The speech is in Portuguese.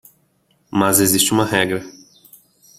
Mas existe uma regra